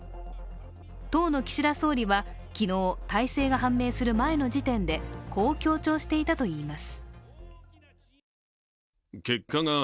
当の岸田総理は昨日、大勢が判明する前の時点でこう強調していたといいます。